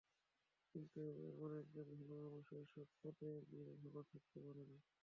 কিন্তু এমন একজন ভালো মানুষও এসব পদে গিয়ে ভালো থাকতে পারেন না।